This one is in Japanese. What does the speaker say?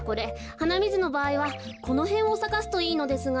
はなみずのばあいはこのへんをさかすといいのですが。